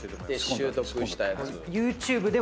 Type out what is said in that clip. で習得したやつ。